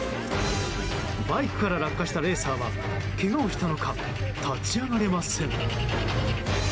バイクから落下したレーサーはけがをしたのか立ち上がれません。